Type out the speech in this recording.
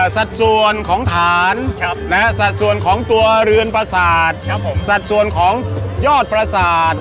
สัดส่วนของฐานสัดส่วนของตัวเรือนประสาทสัดส่วนของยอดประสาท